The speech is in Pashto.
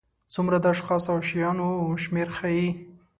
څومره د اشخاصو او شیانو شمېر ښيي.